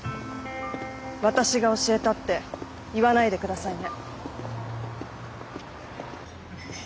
私が教えたって言わないでくださいね。